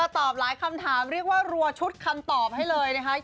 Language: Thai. ตอบหลายคำถามเรียกว่ารัวชุดคำตอบให้เลยนะคะ